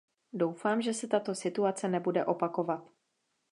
Doufám, že se tato situace nebude opakovat.